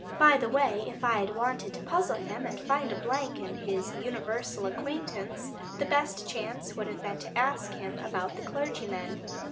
By the way, if I had wanted to puzzle him and find a blank in his universal acquaintance, the best chance would have been to ask him about the clergyman.